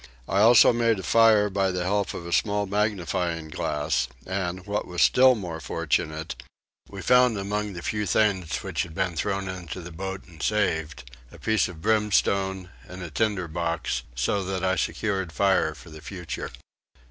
I had also made a fire by the help of a small magnifying glass and, what was still more fortunate, we found among the few things which had been thrown into the boat and saved a piece of brimstone and a tinderbox, so that I secured fire for the future.